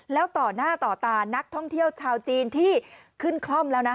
แล้วต่อหน้าต่อตานักท่องเที่ยวชาวจีนที่ขึ้นคล่อมแล้วนะ